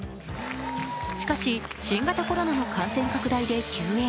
しかし、新型コロナの感染拡大で休演。